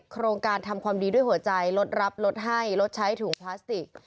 โครงการทำความดีด้วยหัวใจลดรับลดให้ลดใช้ถุงพลาสติก